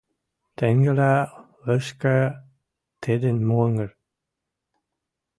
Тенгелӓ лышка тӹдӹн монгыр